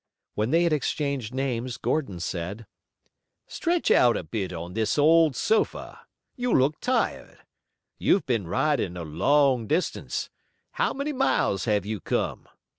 When they had exchanged names, Gordon said: "Stretch out a bit on this old sofa. You look tired. You've been riding a long distance. How many miles have you come?"